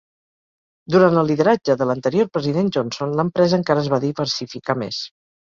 Durant el lideratge de l'anterior president Johnson, l'empresa encara es va diversificar més.